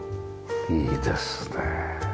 いいですね。